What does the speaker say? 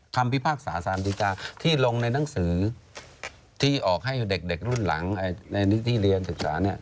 พิพากษาสารดีกาที่ลงในหนังสือที่ออกให้เด็กรุ่นหลังในที่เรียนศึกษา